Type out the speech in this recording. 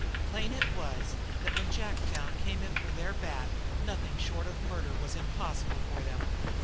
Plain it was that when Jacktown came in for their bat nothing short of murder was impossible for them.